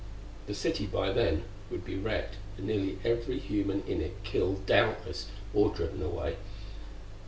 The city, by then, would be wrecked, and nearly every human in it killed, doubtless, or driven away.